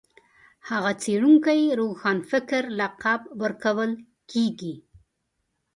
هغه څېړونکي روښانفکر لقب ورکول کېږي